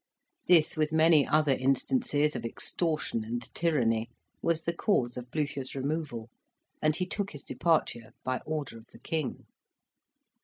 This, with many other instances of extortion and tyranny, was the cause of Blucher's removal, and he took his departure by order of the King.